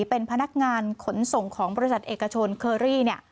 เป็นพนักงานขนส่งของบริษัทเอกชนเคอรี่